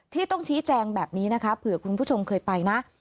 ที่ต้องชี้แจงแบบนี้นะคะเผื่อคุณผู้ชมเคยไปนะ